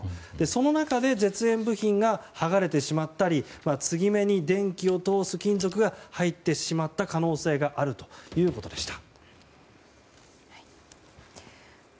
その中で絶縁部品が剥がれてしまったり継ぎ目に電気を通す金属が入ってしまった可能性があるということでした。